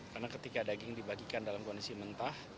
karena ketika daging dibagikan dalam kondisi mentah